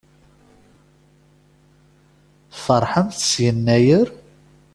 Tfeṛḥemt s Yennayer?